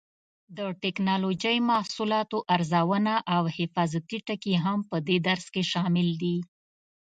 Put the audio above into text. د ټېکنالوجۍ محصولاتو ارزونه او حفاظتي ټکي هم په دې درس کې شامل دي.